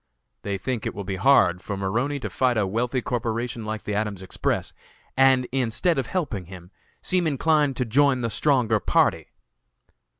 They think it will be hard for Maroney to fight a wealthy corporation like the Adams Express, and, instead of helping him, seem inclined to join the stronger party.